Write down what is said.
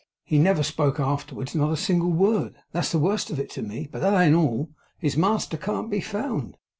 He never spoke afterwards. Not a single word. That's the worst of it to me; but that ain't all. His master can't be found.